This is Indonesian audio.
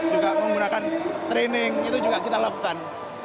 juga menggunakan training itu juga kita lakukan